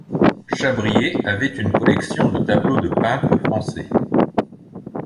Chabrier avait une collection de tableaux de peintres français.